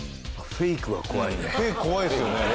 フェイク怖いですよね。